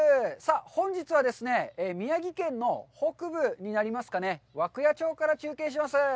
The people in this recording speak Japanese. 本日は、宮城県の北部になりますかね、涌谷町から中継します。